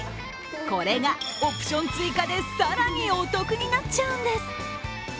これが、オプション追加で更にお得になっちゃうんです。